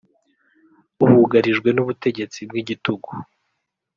Bugarijwe n’ubutegetsi bw’igitugu